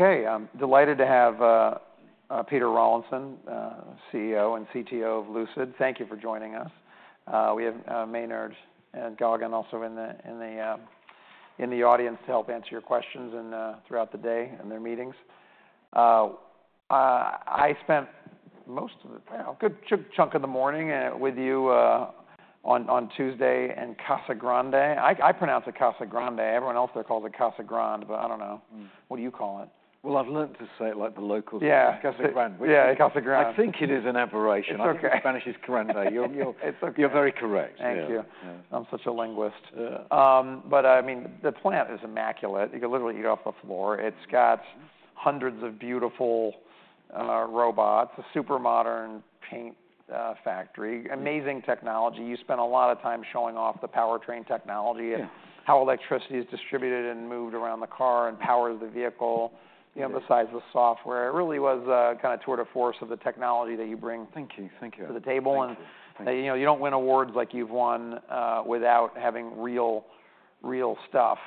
Okay, I'm delighted to have Peter Rawlinson, CEO and CTO of Lucid. Thank you for joining us. We have Maynard and Gagan also in the audience to help answer your questions and throughout the day in their meetings. I spent most of the morning, well, a good chunk of the morning, with you on Tuesday in Casa Grande. I pronounce it Casa Grande. Everyone else there calls it Casa Grande, but I don't know. Hm-mmm. What do you call it? I've learned to say it like the locals do. Yeah. Casa Grande. Yeah, Casa Grande. I think it is an aberration. It's okay. I think Spanish is correct. It's okay. You're very correct. Yeah. Thank you. Yeah. I'm such a linguist. Yeah. But, I mean, the plant is immaculate. You can literally eat off the floor. Mm-hmm. It's got hundreds of beautiful robots, a super modern paint factory. Mm. Amazing technology. You spent a lot of time showing off the powertrain technology. Yeah. And how electricity is distributed and moved around the car and powers the vehicle. Yeah. You emphasize the software. It really was a kind of tour de force of the technology that you bring. Thank you. Thank you. To the table. Thank you. Thank you. And, you know, you don't win awards like you've won without having real, real stuff.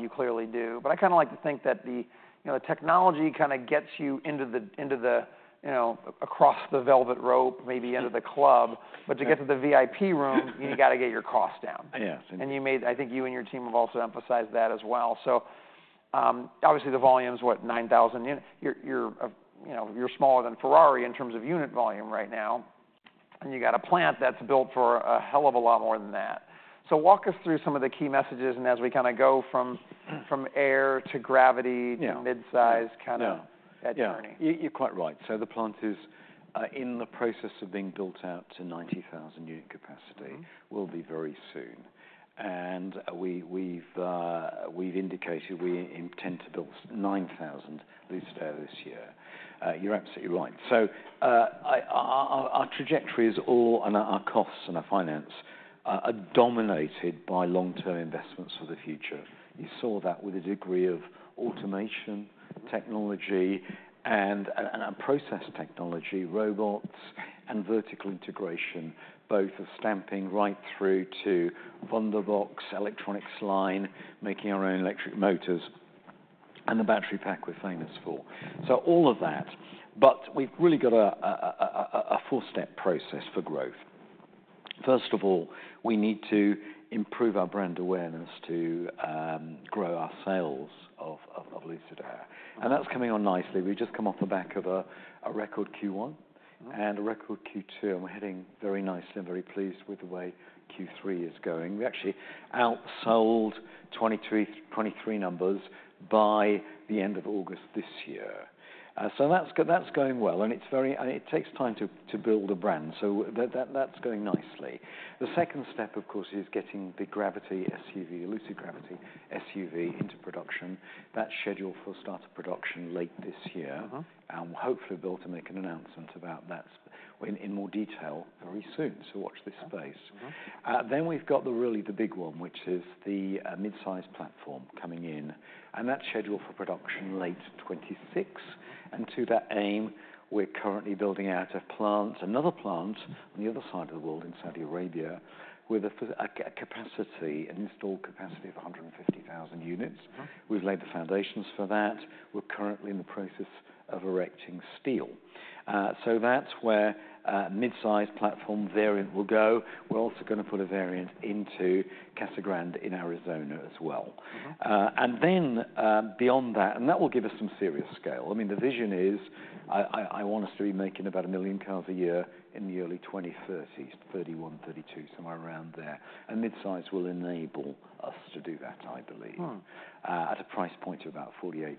You clearly do. But I kinda like to think that the, you know, the technology kinda gets you into the, you know, across the velvet rope, maybe into the club. Yeah. But to get to the VIP room you gotta get your costs down. Yes. Indeed. You made... I think you and your team have also emphasized that as well. So, obviously, the volume is, what? 9,000 units? You know, you're smaller than Ferrari in terms of unit volume right now, and you got a plant that's built for a hell of a lot more than that. So walk us through some of the key messages, and as we kinda go from Air to Gravity. Yeah. To midsize. Yeah. Kinda that journey. Yeah. You're quite right. So the plant is in the process of being built out to 90,000-unit capacity. Mm-hmm. Will be very soon. And, we've indicated we intend to build 9,000 Lucid Air this year. You're absolutely right. So, our trajectory is all, and our costs and our finance are dominated by long-term investments for the future. You saw that with a degree of automation, technology, and process technology, robots and vertical integration, both of stamping right through to Wunderbox electronics line, making our own electric motors, and the battery pack we're famous for. So all of that, but we've really got a four-step process for growth. First of all, we need to improve our brand awareness to grow our sales of Lucid Air, and that's coming on nicely. We've just come off the back of a record Q1. Mm-hmm. And a record Q2, and we're heading very nicely, and very pleased with the way Q3 is going. We actually outsold 2023, 2023 numbers by the end of August this year. So that's going well, and it takes time to build a brand, so that's going nicely. The second step, of course, is getting the Gravity SUV, Lucid Gravity SUV into production. That's scheduled for start of production late this year. Uh-huh. And we'll hopefully be able to make an announcement about that in more detail very soon, so watch this space. Mm-hmm. Then we've got the really big one, which is the midsize platform coming in, and that's scheduled for production late 2026. And to that aim, we're currently building out a plant, another plant on the other side of the world, in Saudi Arabia, with a capacity, an installed capacity of 150,000 units. Mm-hmm. We've laid the foundations for that. We're currently in the process of erecting steel. So that's where midsize platform variant will go. We're also gonna put a variant into Casa Grande in Arizona as well. Mm-hmm. And then, beyond that. And that will give us some serious scale. I mean, the vision is, I want us to be making about a million cars a year in the early 2030s, 2031, 2032, somewhere around there. And midsize will enable us to do that, I believe. Hmm. At a price point of about $48,000-$50,000.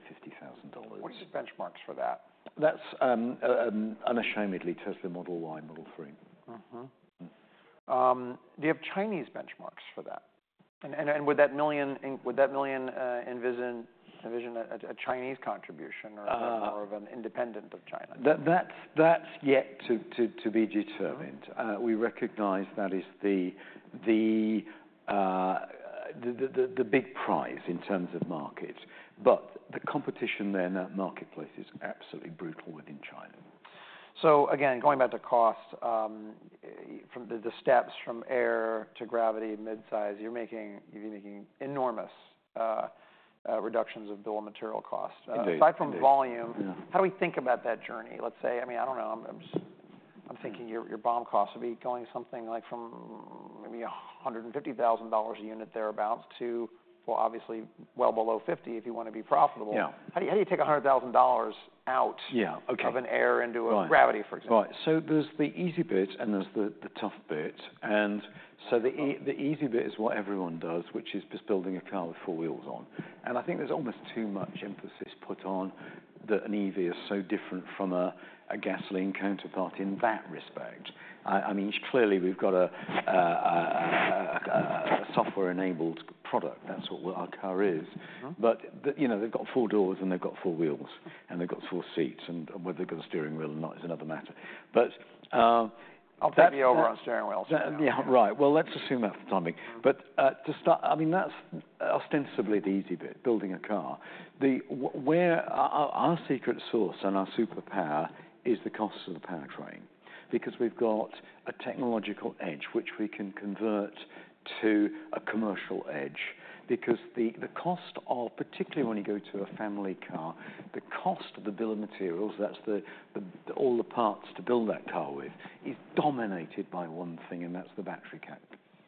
What are your benchmarks for that? That's unashamedly Tesla Model Y, Model 3. Mm-hmm. Mm. Do you have Chinese benchmarks for that? And would that million envision a Chinese contribution. Uh. Or more of an independent of China? That's yet to be determined. Mm. We recognize that is the big prize in terms of market, but the competition there in that marketplace is absolutely brutal within China. So again, going back to cost, from the steps from Air to Gravity, midsize, you're making enormous reductions of bill of material cost. Indeed. Indeed. Aside from volume- Yeah. How do we think about that journey? Let's say, I mean, I don't know, I'm just thinking- Mm. Your BOM costs will be going something like from maybe $150,000 a unit thereabout to, well, obviously, well below $50,000 if you wanna be profitable. Yeah. How do you take $100,000 out? Yeah. Okay. Of an Air into a. Right. Gravity, for example? Right. So there's the easy bit, and there's the tough bit. And so the easy bit is what everyone does, which is just building a car with four wheels on. And I think there's almost too much emphasis put on that an EV is so different from a gasoline counterpart in that respect. I mean, clearly, we've got a software-enabled product. That's what our car is. Mm-hmm. But, you know, they've got four doors, and they've got four wheels, and they've got four seats, and whether they've got a steering wheel or not is another matter. But, that- I'll take you over on steering wheel. Yeah, right. Let's assume that for the time being. Mm-hmm. To start, I mean, that's ostensibly the easy bit, building a car. Where our secret sauce and our superpower is the cost of the powertrain because we've got a technological edge, which we can convert to a commercial edge. Because the cost of, particularly when you go to a family car, the cost of the bill of materials, that's all the parts to build that car with, is dominated by one thing, and that's the battery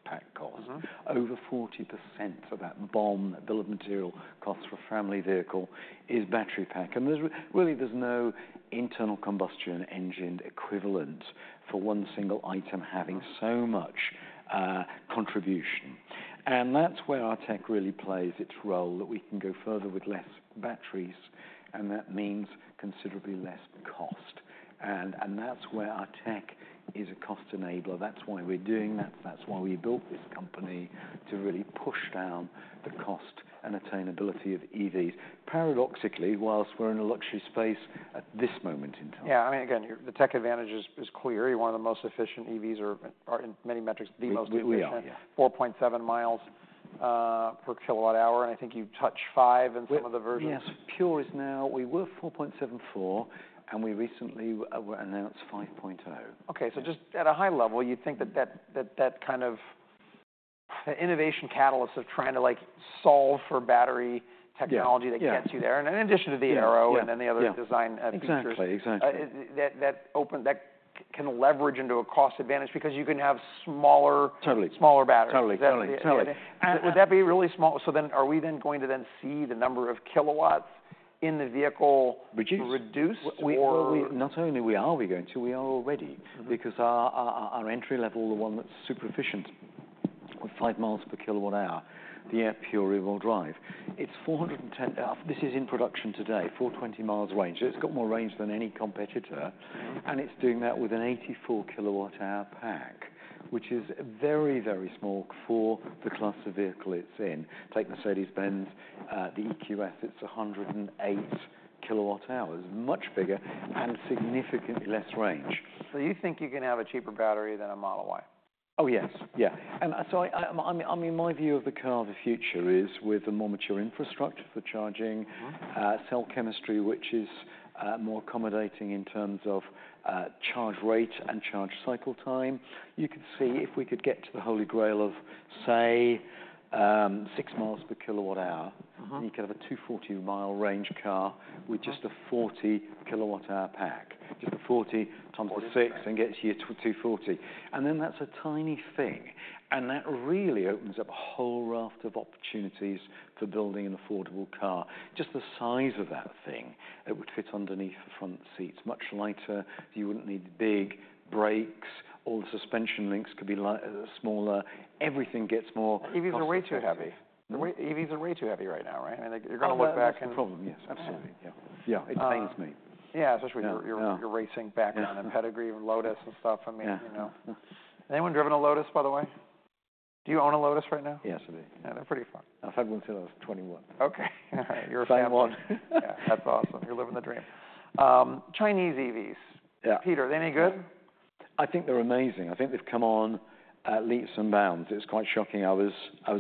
pack cost. Mm-hmm. Over 40% of that BOM, bill of material, cost for a family vehicle is battery pack. And there's really no internal combustion engine equivalent for one single item having- Mm.... so much contribution. And that's where our tech really plays its role, that we can go further with less batteries, and that means considerably less cost. And that's where our tech is a cost enabler. That's why we're doing that. That's why we built this company, to really push down the cost and attainability of EVs. Paradoxically, whilst we're in a luxury space at this moment in time. Yeah, I mean, again, your the tech advantage is clear. You're one of the most efficient EVs or in many metrics, the most efficient. We are, yeah. 4.7 mi/kWh, and I think you've touched 5 in some of the versions. Yes. Pure is now 4.74, and we recently announced 5.0. Okay, so just at a high level, you'd think that kind of innovation catalyst of trying to, like, solve for battery technology- Yeah, yeah.... that gets you there, and in addition to the Air- Yeah, yeah.... and then the other design features. Exactly, exactly. That can leverage into a cost advantage because you can have smaller- Totally.... smaller batteries. Totally, totally, totally. Would that be really small? So then, are we then going to see the number of kilowatts in the vehicle- Reduced?... reduced or? Not only are we going to, we are already. Mm-hmm. Because our entry level, the one that's super efficient, with 5 mi/kWh, the Air Pure rear wheel drive, it's 410 mi. This is in production today, 420 mi range. So it's got more range than any competitor, and it's doing that with an 84-kWh pack, which is very, very small for the class of vehicle it's in. Take Mercedes-Benz, the EQS, it's 108 kWh. Much bigger and significantly less range. So you think you can have a cheaper battery than a Model Y? Oh, yes. Yeah, and so I mean my view of the car of the future is with a more mature infrastructure for charging- Mm-hmm.... cell chemistry, which is more accommodating in terms of charge rate and charge cycle time. You could see, if we could get to the holy grail of, say, 6 mi/kWh- Uh-huh.... you could have a 240 mi range car- Uh-huh.... with just a 40-kWh pack. Just a 40 times the six- 40.... and gets you to 240. And then that's a tiny thing, and that really opens up a whole raft of opportunities for building an affordable car. Just the size of that thing, it would fit underneath the front seats. Much lighter, so you wouldn't need big brakes. All the suspension links could be smaller. Everything gets more cost effective. EVs are way too heavy. Mm-hmm. The EV, EVs are way too heavy right now, right? I think you're gonna look back and- That's the problem. Yes, absolutely. Yeah. Yeah. It pains me. Yeah, especially with your- Yeah.... your racing background- Yeah.... and pedigree with Lotus and stuff, I mean- Yeah.... you know. Anyone driven a Lotus, by the way? Do you own a Lotus right now? Yes, I do. Yeah, they're pretty fun. I've had one since I was 21. Okay. You're the same one. Yeah. That's awesome. You're living the dream. Chinese EVs. Yeah. Peter, are they any good? I think they're amazing. I think they've come on leaps and bounds. It's quite shocking. I was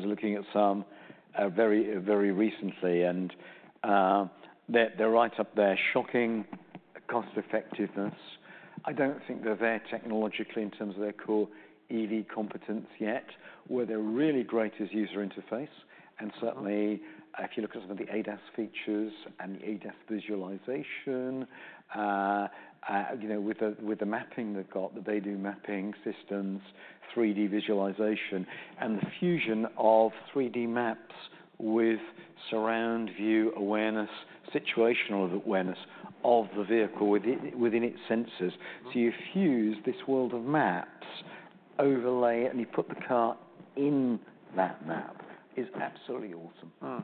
looking at some very, very recently, and they're right up there. Shocking cost effectiveness. I don't think they're there technologically in terms of their core EV competence yet. Where they're really great is user interface, and certainly, if you look at some of the ADAS features and the ADAS visualization, you know, with the mapping they've got, the daily mapping systems, 3D visualization, and the fusion of 3D maps with surround-view awareness, situational awareness of the vehicle within its sensors. Mm. So you fuse this world of maps, overlay it, and you put the car in that map. It's absolutely awesome.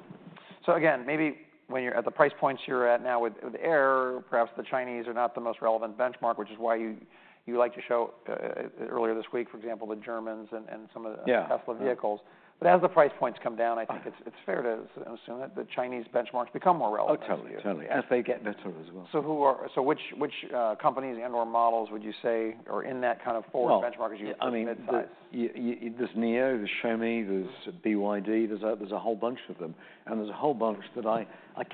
So again, maybe when you're at the price points you're at now with Air, perhaps the Chinese are not the most relevant benchmark, which is why you like to show earlier this week, for example, the Germans and some of the- Yeah.... Tesla vehicles. But as the price points come down- Yeah.... I think it's fair to assume that the Chinese benchmarks become more relevant to you. Oh, totally, totally, as they get better as well. So which companies and or models would you say are in that kind of forward benchmark as you- Well, I mean-... midsize?... there's NIO, there's Xiaomi, there's BYD, there's a whole bunch of them, and there's a whole bunch that I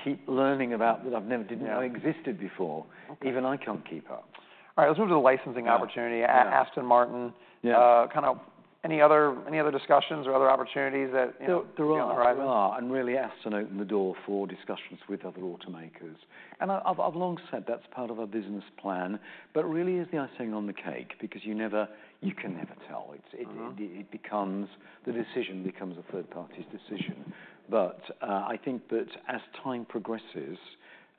keep learning about that I didn't know. Yeah.... existed before. Okay. Even I can't keep up. All right. Let's move to the licensing opportunity. Yeah, yeah. Aston Martin. Yeah. Kind of, any other discussions or other opportunities that, you know- There are.... you can talk about? There are. And really, Aston opened the door for discussions with other automakers. And I've long said that's part of our business plan, but really is the icing on the cake, because you can never tell. It's- Mm-hmm.... the decision becomes a third party's decision. But, I think that as time progresses,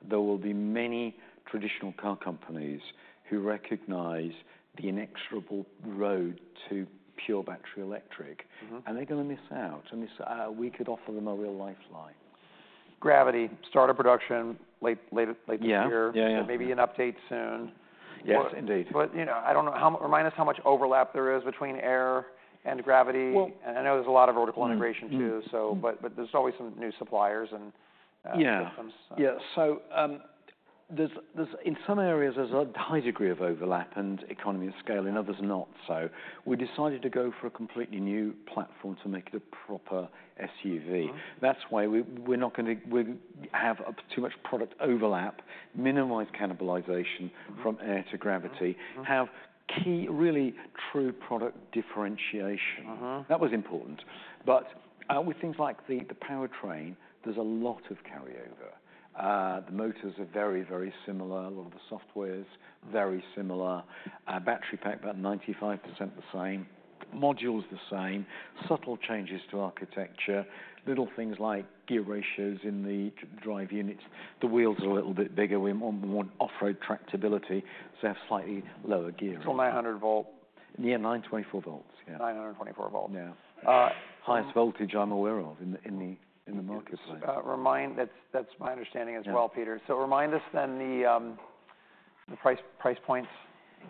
there will be many traditional car companies who recognize the inexorable road to pure battery electric. Mm-hmm. And they're gonna miss out, unless we could offer them a real lifeline. Gravity, start of production, later this year. Yeah. Yeah, yeah. Maybe an update soon. Yes, indeed. But, you know, I don't know how. Remind us how much overlap there is between Air and Gravity? Well- I know there's a lot of vertical integration. Mm, mm.... too, so but there's always some new suppliers and, Yeah.... systems. Yeah, so, in some areas, there's a high degree of overlap and economy of scale, in others, not. So we decided to go for a completely new platform to make it a proper SUV. Uh-huh. That's why we're not gonna... We have too much product overlap, minimize cannibalization- Mm-hmm.... from Air to Gravity. Mm-hmm, mm-hmm. Key, really true product differentiation. Uh-huh. That was important. But, with things like the powertrain, there's a lot of carryover. The motors are very, very similar. A lot of the software is very similar. Battery pack, about 95% the same. Module's the same. Subtle changes to architecture. Little things like gear ratios in the drive units. The wheels are a little bit bigger. We want more off-road tractability, so they have slightly lower gear. So 900 V? Yeah, 924 V. Yeah. 924 V. Yeah. Uh- Highest voltage I'm aware of in the marketplace. That's, that's my understanding as well, Peter. Yeah. Remind us then, the price points.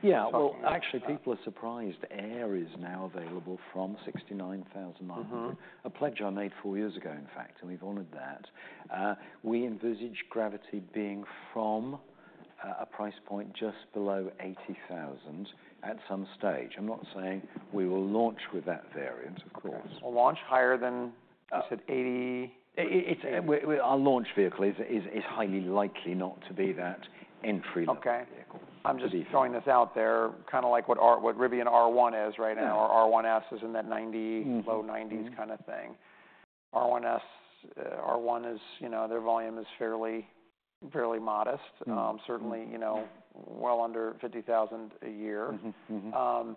Yeah. Talking about- Actually, people are surprised. Air is now available from $69,900. Mm-hmm. A pledge I made four years ago, in fact, and we've honored that. We envisage Gravity being from a price point just below $80,000 at some stage. I'm not saying we will launch with that variant, of course. Okay. We'll launch higher than- Uh- You said 80... Our launch vehicle is highly likely not to be that entry level vehicle. Okay. I believe. I'm just throwing this out there, kind of like what Rivian R1S is right now. Yeah.... R1S is in that 90- Mm-hmm.... low 90s kind of thing. R1S, R1S is, you know, their volume is fairly, fairly modest. Mm-hmm. Certainly, you know- Yeah.... well, under 50,000 a year. Mm-hmm. Mm-hmm.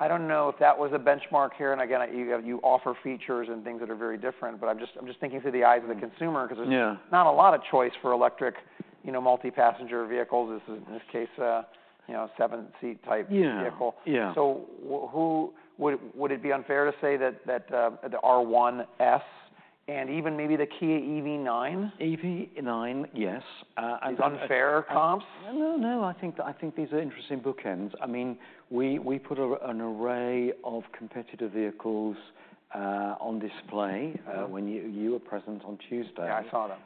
I don't know if that was a benchmark here, and again, you offer features and things that are very different, but I'm just thinking through the eyes of the consumer- Mm. Yeah.... 'cause there's not a lot of choice for electric, you know, multi-passenger vehicles. This is, in this case, you know, seven-seat type- Yeah.... vehicle. Yeah. So who would it be unfair to say that the R1S and even maybe the Kia EV9? EV9? Yes. And- Is it unfair comp? No, no, I think these are interesting bookends. I mean, we put an array of competitive vehicles on display- Mm.... when you were present on Tuesday. Yeah, I saw them.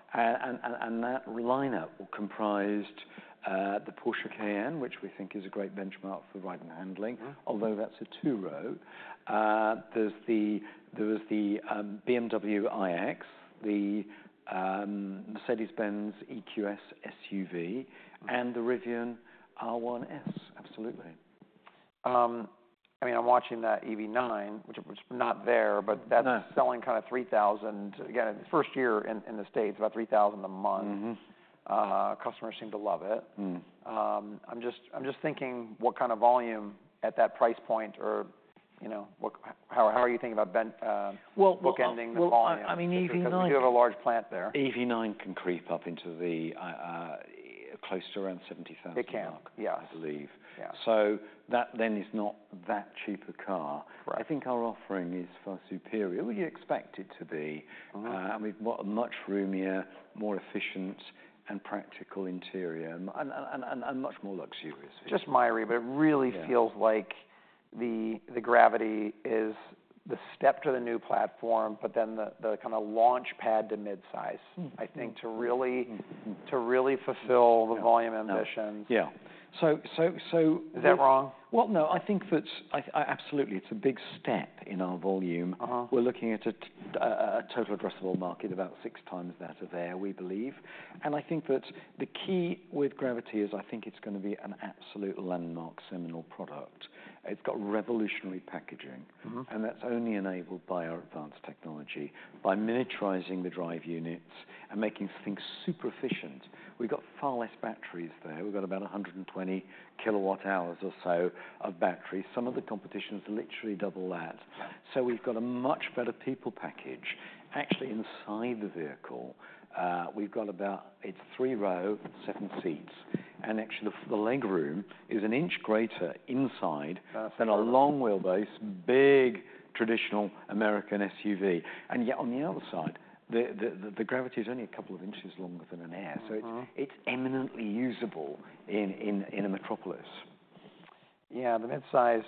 That lineup comprised the Porsche Cayenne, which we think is a great benchmark for ride and handling. Mm. Although that's a two-row. There's the BMW iX, the Mercedes-Benz EQS SUV- Mm.... and the Rivian R1S. Absolutely. I mean, I'm watching that EV9, which was not there. No.... but that's selling kind of 3,000. Again, the first year in the states, about 3,000 a month. Mm-hmm. Customers seem to love it. Mm. I'm just thinking, what kind of volume at that price point or, you know, how are you thinking about- Well, well-... bookending the volume? Well, I mean, EV9- You do have a large plant there. EV9 can creep up into the, close to around $70,000- It can.... mark. Yes. I believe. Yeah. That then is not that cheap a car. Right. I think our offering is far superior. We expect it to be. Mm-hmm. We've got a much roomier, more efficient and practical interior, and much more luxurious. Just my read- Yeah.... but it really feels like the Gravity is the step to the new platform, but then the kind of launchpad to midsize- Mm, mm.... I think to really- Mm, mm.... to really fulfill- Yeah.... the volume ambitions. Yeah. So- Is that wrong? No, I think that's... Absolutely, it's a big step in our volume. Uh-huh. We're looking at a total addressable market about six times that of Air, we believe. And I think that the key with Gravity is, I think it's gonna be an absolute landmark, seminal product. It's got revolutionary packaging. Mm-hmm. And that's only enabled by our advanced technology. By miniaturizing the drive units and making things super efficient, we've got far less batteries there. We've got about 120 kWh or so of battery. Some of the competition is literally double that. Yeah. So we've got a much better people package. Actually, inside the vehicle, we've got about... It's three-row, seven seats, and actually, the legroom is an inch greater inside- That's...... than a long wheelbase, big, traditional American SUV. And yet, on the other side, the Gravity is only a couple of inches longer than an Air. Mm-hmm.... so it's imminently usable in a metropolis. Yeah. The midsize,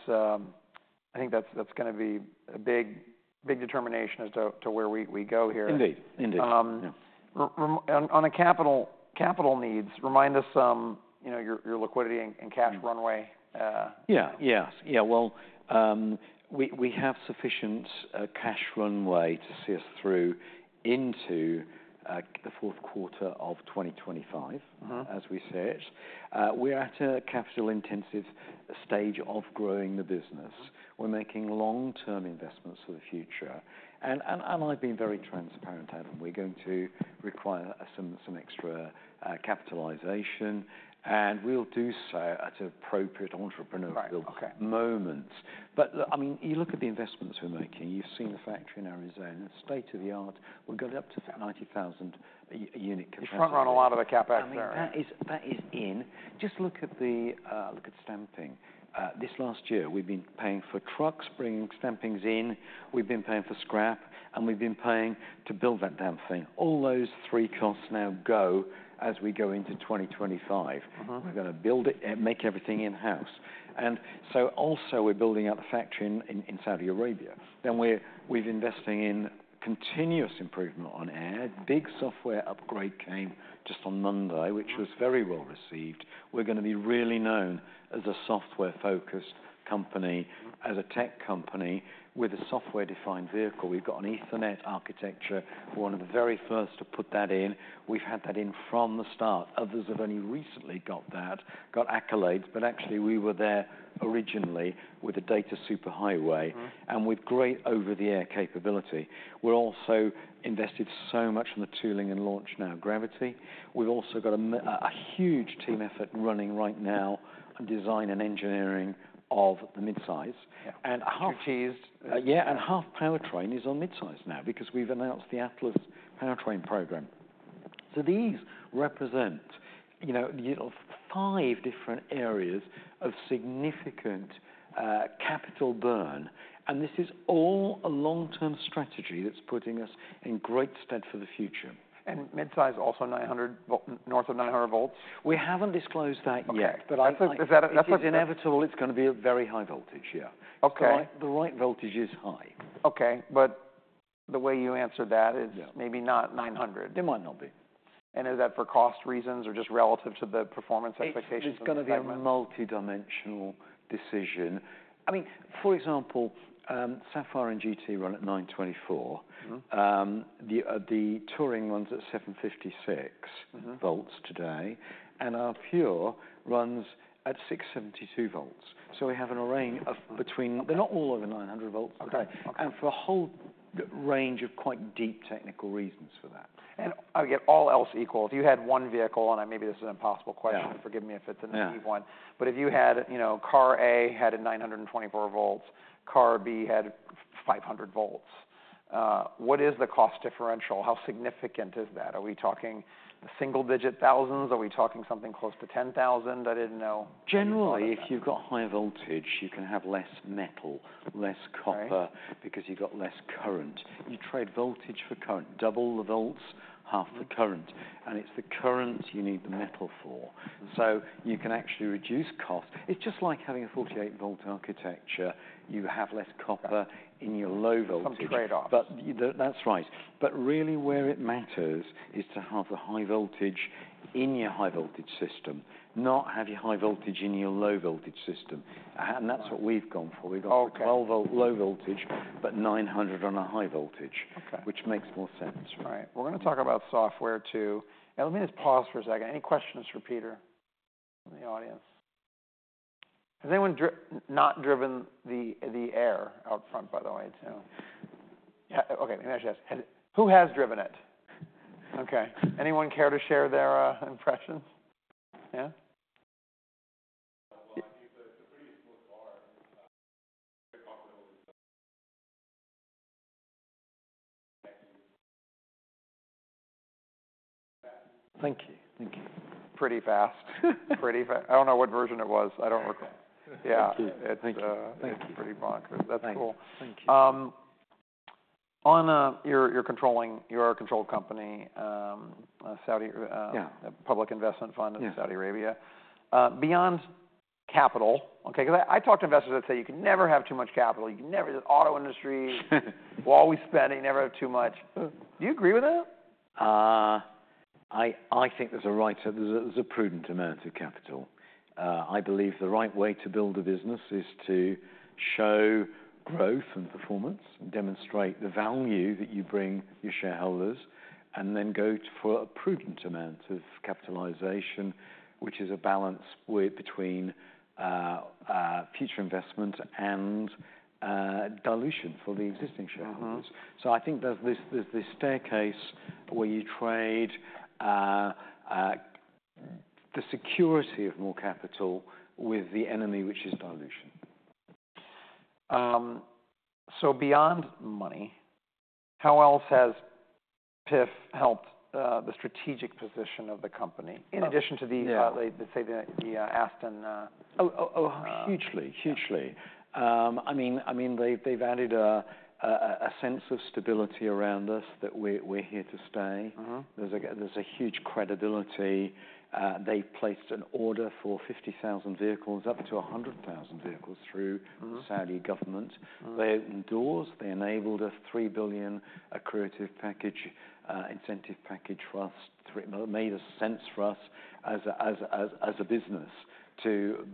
I think that's gonna be a big, big determination as to where we go here. Indeed, indeed. Um- Yeah.... and on capital needs, remind us, you know, your liquidity and cash runway. Yeah, yes. Yeah, well, we have sufficient cash runway to see us through into the fourth quarter of 2025- Mm-hmm.... as we say it. We're at a capital-intensive stage of growing the business. Mm. We're making long-term investments for the future. And, I've been very transparent, Adam, we're going to require some extra capitalization, and we'll do so at appropriate entrepreneurial- Right. Okay.... moments. But look, I mean, you look at the investments we're making. You've seen the factory in Arizona, state-of-the-art. We've got up to 90,000-unit capacity. You've front run a lot of the capacity there. I mean, that is in. Just look at stamping. This last year, we've been paying for trucks, bringing stampings in, we've been paying for scrap, and we've been paying to build that damn thing. All those three costs now go as we go into 2025. Mm-hmm. We're gonna build it and make everything in-house. And so also, we're building out the factory in Saudi Arabia. Then we're investing in continuous improvement on Air. Big software upgrade came just on Monday- Mm.... which was very well received. We're gonna be really known as a software-focused company- Mm.... as a tech company with a software-defined vehicle. We've got an Ethernet architecture. We're one of the very first to put that in. We've had that in from the start. Others have only recently got that, got accolades, but actually, we were there originally with a data superhighway- Mm.... and with great over-the-air capability. We're also invested so much in the tooling and launch now, Gravity. We've also got a huge team effort running right now on design and engineering of the midsize. Yeah. And half of this. Yeah, and half powertrain is on midsize now because we've announced the Atlas powertrain program. So these represent, you know, five different areas of significant capital burn, and this is all a long-term strategy that's putting us in great stead for the future. And midsize, also north of 900 V? We haven't disclosed that yet. Okay. But I think- That's a- It is inevitable. It's gonna be a very high voltage, yeah. Okay. The right voltage is high. Okay, but the way you answered that is- Yeah.... maybe not 900. It might not be. Is that for cost reasons or just relative to the performance expectations? It's gonna be a multidimensional decision. I mean, for example, Sapphire and GT run at 924 V. Mm-hmm. The Touring runs at 756 V- Mm-hmm.... today, and our Pure runs at 672 V. So we have a range of between... They're not all over 900 V. Okay, okay. And for a whole range of quite deep technical reasons for that. Yeah. All else equal, if you had one vehicle, and maybe this is an impossible question. Yeah. Forgive me if it's an- Yeah... easy one, but if you had, you know, Car A had a 924 V, Car B had 500 V, what is the cost differential? How significant is that? Are we talking single-digit thousands? Are we talking something close to 10,000? I didn't know. Generally, if you've got higher voltage, you can have less metal, less copper- Okay.... because you've got less current. You trade voltage for current. Double the volts, half the current, and it's the current you need the metal for. Mm-hmm. You can actually reduce cost. It's just like having a 48-volt architecture. You have less copper- Okay.... in your low voltage. Some trade-offs. But that's right. But really, where it matters is to have the high voltage in your high voltage system, not have your high voltage in your low voltage system. Right. That's what we've gone for. Okay. We've got a low voltage, but 900 on a high voltage- Okay.... which makes more sense. Right. We're gonna talk about software, too. Now, let me just pause for a second. Any questions for Peter from the audience? Has anyone not driven the Air out front, by the way, too? Yeah, okay, yes, yes. Who has driven it? Okay, anyone care to share their impressions? Yeah. Well, I think that it's a pretty smooth car, and very comfortable. Thank you. Thank you. Pretty fast. Pretty fast. I don't know what version it was. I don't recall. Okay. Thank you. Yeah. Thank you. It's, uh- Thank you... it's pretty fast. Thank you. That's cool. Thank you. On your controlled company, Saudi Arabia- Yeah.... Public Investment Fund- Yeah.... in Saudi Arabia. Beyond capital... Okay, 'cause I talk to investors that say you can never have too much capital. You can never. The auto industry - we're always spending, you never have too much. Do you agree with that? I think there's a prudent amount of capital. I believe the right way to build a business is to show growth and performance and demonstrate the value that you bring your shareholders, and then go for a prudent amount of capitalization, which is a balance weight between future investment and dilution for the existing shareholders. Mm-hmm. So I think there's this staircase where you trade the security of more capital with the enemy, which is dilution. So beyond money, how else has PIF helped the strategic position of the company in addition to the- Yeah.... the Aston? Oh, oh, oh, hugely, hugely. Yeah. I mean, they've added a sense of stability around us, that we're here to stay. Mm-hmm. There's a huge credibility. They placed an order for 50,000 vehicles, up to 100,000 vehicles through- Mm-hmm... the Saudi government. Mm-hmm. They opened doors. They enabled a $3 billion accretive package, incentive package for us. It made sense for us as a business to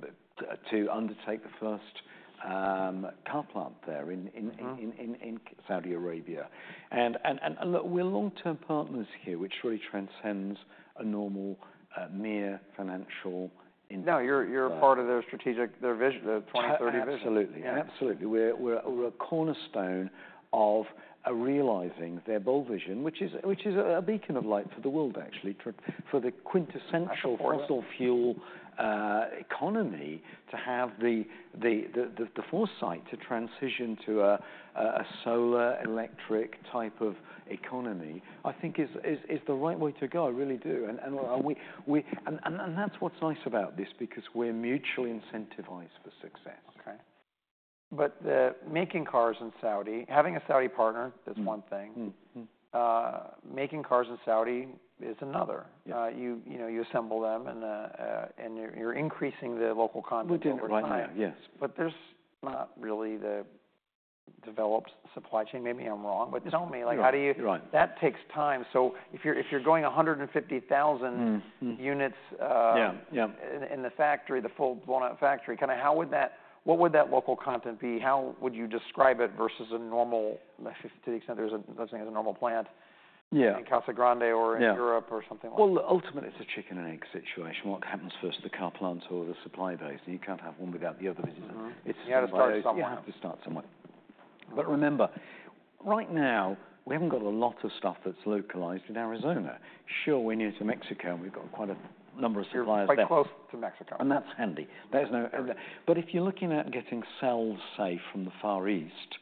undertake the first car plant there in. Mm-hmm.... in Saudi Arabia. And look, we're long-term partners here, which really transcends a normal, mere financial investment. No, you're part of their strategic vision, the 2030 vision. Absolutely. Yeah. Absolutely. We're a cornerstone of realizing their bold vision, which is a beacon of light for the world actually, for the quintessential- That's right.... fossil fuel economy, to have the foresight to transition to a solar electric type of economy, I think is the right way to go. I really do, and that's what's nice about this because we're mutually incentivized for success. Okay. But, making cars in Saudi... Having a Saudi partner- Mm.... is one thing. Mm, mm. Making cars in Saudi is another. Yeah. You know, you assemble them, and you're increasing the local content over time. We're doing it right now, yes. But there's not really the developed supply chain. Maybe I'm wrong, but tell me. You're right.... like, how do you- You're right. That takes time. So if you're going 150,000- Mm, mm.... units- Yeah, yeah.... in the factory, the full-blown factory, kind of how would that—what would that local content be? How would you describe it versus a normal, to the extent there's a, let's say, as a normal plant? Yeah.... in Casa Grande or- Yeah.... in Europe or something like that? Ultimately, it's a chicken and egg situation. What happens first, the car plants or the supply base? You can't have one without the other. Mm-hmm.... it's- Have to start somewhere. Yeah, have to start somewhere. But remember, right now, we haven't got a lot of stuff that's localized in Arizona. Sure, we're near to Mexico, and we've got quite a number of suppliers- You're quite close to Mexico. And that's handy. There's no- Mm. But if you're looking at getting cells, say, from the Far East,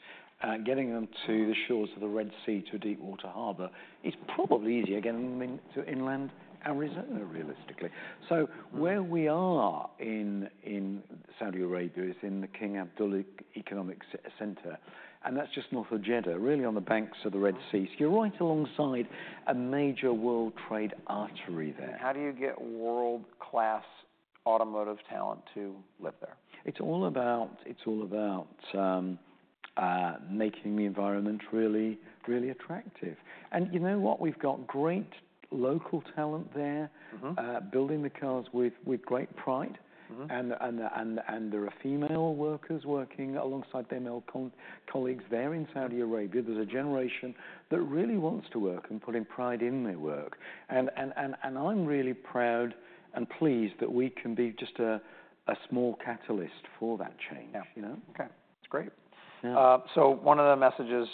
getting them to the shores of the Red Sea, to a deepwater harbor, is probably easier getting them in to inland Arizona, realistically. So where we are in Saudi Arabia is in the King Abdullah Economic Center, and that's just north of Jeddah, really, on the banks of the Red Sea. So you're right alongside a major world trade artery there. How do you get world-class automotive talent to live there? It's all about making the environment really, really attractive. And you know what? We've got great local talent there. Mm-hmm. Building the cars with great pride. Mm-hmm. There are female workers working alongside their male colleagues there in Saudi Arabia. There's a generation that really wants to work and putting pride in their work, and I'm really proud and pleased that we can be just a small catalyst for that change. Yeah. You know? Okay, that's great. Yeah. So one of the messages,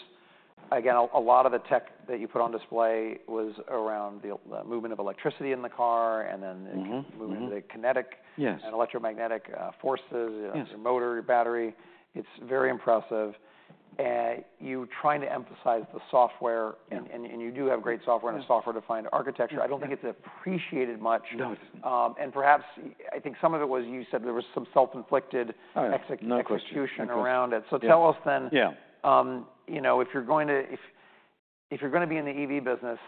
again, a lot of the tech that you put on display was around the movement of electricity in the car, and then- Mm-hmm, mm-hmm.... the movement of the kinetic- Yes.... and electromagnetic forces- Yes.... your motor, your battery. It's very impressive. You trying to emphasize the software- Yeah.... and you do have great software- Yeah.... and software-defined architecture. Yeah. I don't think it's appreciated much. No, it's- And perhaps, I think some of it was you said there was some self-inflicted- Oh, no question.... execution around it. Yeah. So tell us then- Yeah.... you know, if you're going to be in the EV business,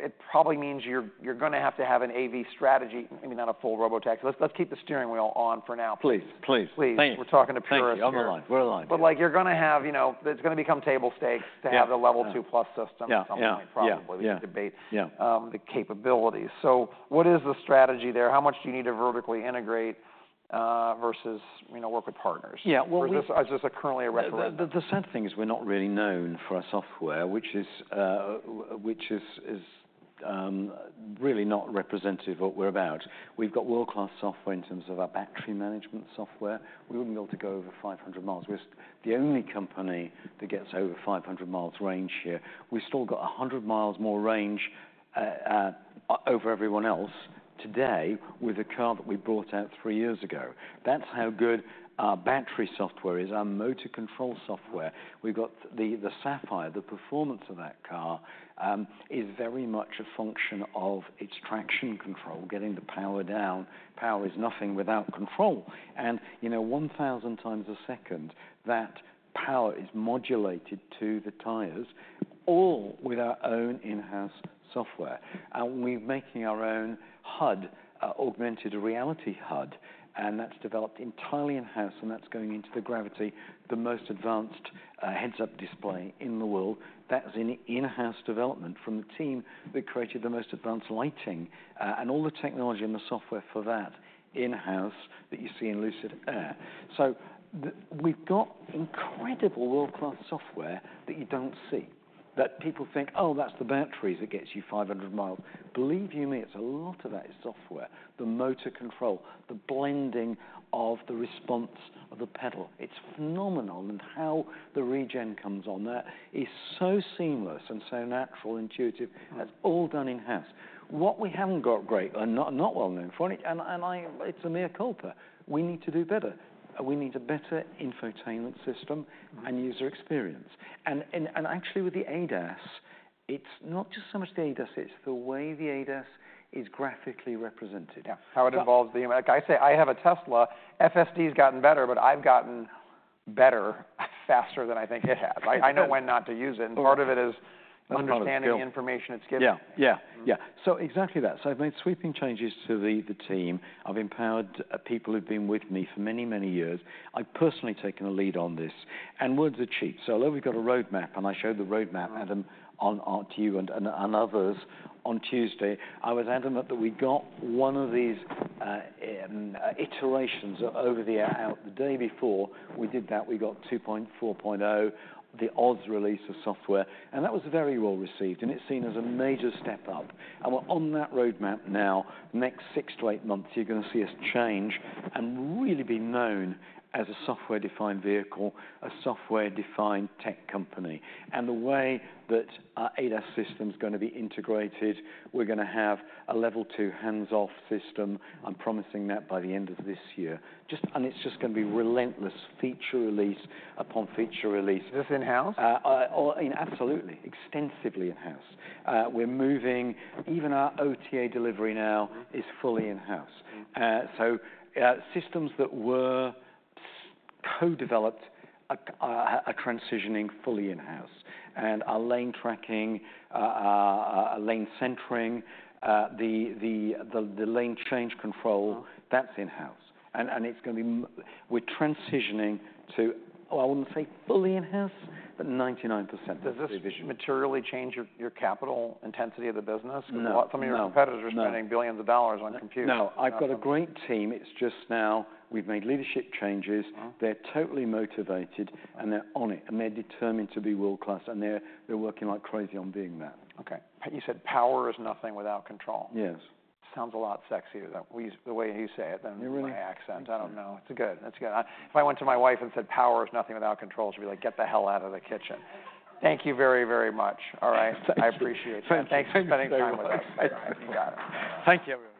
it probably means you're gonna have to have an AV strategy. I mean, not a full Robotaxi. Let's keep the steering wheel on for now. Please, please. Please. Thank you. We're talking to purists here. Thank you. We're aligned. We're aligned. But like, you're gonna have, you know. It's gonna become table stakes. Yeah.... to have the Level 2+ system- Yeah, yeah.... at some point, probably. Yeah. We debate- Yeah.... the capabilities. So what is the strategy there? How much do you need to vertically integrate, versus, you know, work with partners? Yeah. Well, we- Is this currently a [restaurant]? The sad thing is we're not really known for our software, which is really not representative of what we're about. We've got world-class software in terms of our battery management software. We wouldn't be able to go over 500 mi. We're the only company that gets over 500 mi range here. We've still got a hundred miles more range over everyone else today, with a car that we brought out three years ago. That's how good our battery software is, our motor control software. We've got the Sapphire. The performance of that car is very much a function of its traction control, getting the power down. Power is nothing without control, and, you know, 1,000x a second, that power is modulated to the tires, all with our own in-house software. And we're making our own HUD, augmented reality HUD, and that's developed entirely in-house, and that's going into the Gravity, the most advanced heads-up display in the world. That's an in-house development from the team that created the most advanced lighting and all the technology and the software for that in-house that you see in Lucid Air. So, we've got incredible world-class software that you don't see, that people think, "Oh, that's the batteries that gets you 500 mi." Believe you me, it's a lot of that software, the motor control, the blending of the response of the pedal. It's phenomenal in how the regen comes on. That is so seamless and so natural, intuitive- Right.... that's all done in-house. What we haven't got great are not well known for. It's a mea culpa. We need to do better. We need a better infotainment system- Mm-hmm.... and user experience. And actually, with the ADAS, it's not just so much the ADAS, it's the way the ADAS is graphically represented. Yeah, how it involves the... Like I say, I have a Tesla. FSD's gotten better, but I've gotten better faster than I think it has. Like, I know when not to use it, and part of it is- I know the feeling.... understanding the information it's giving. Yeah. Yeah, yeah. Mm-hmm. So exactly that. I've made sweeping changes to the team. I've empowered people who've been with me for many, many years. I've personally taken a lead on this, and words are cheap. So although we've got a roadmap, and I showed the roadmap- Right.... Adam, on to you and others on Tuesday, I was adamant that we got one of these iterations over the air out. The day before we did that, we got 2.4.0, the OTA release of software, and that was very well received, and it's seen as a major step up. And we're on that roadmap now. Next six to eight months, you're gonna see us change and really be known as a software-defined vehicle, a software-defined tech company, and the way that our ADAS system's gonna be integrated. We're gonna have a Level 2 hands-off system. I'm promising that by the end of this year. And it's just gonna be relentless, feature release upon feature release. Is this in-house? Absolutely. Extensively in-house. We're moving. Even our OTA delivery now. Mm.... is fully in-house. Mm. Systems that were co-developed are transitioning fully in-house, and our lane tracking, our lane centering, the lane change control- Wow.... that's in-house, and it's gonna be we're transitioning to. Oh, I wouldn't say fully in-house, but 99%- Does this materially change your capital intensity of the business? No, no. Some of your competitors- No.... are spending billions of dollars on compute. No. Okay. I've got a great team. It's just now, we've made leadership changes. Uh-huh. They're totally motivated, and they're on it, and they're determined to be world-class, and they're working like crazy on being that. Okay. You said power is nothing without control. Yes. Sounds a lot sexier that way, the way you say it than- It really-... my accent. Thank you. I don't know. It's good, that's good. If I went to my wife and said, "Power is nothing without control," she'd be like, "Get the hell out of the kitchen." Thank you very, very much. All right? Thank you. I appreciate it. Thank you. Thanks for spending time with us. Thank you. You got it. Thank you everyone. Thank you, thank you.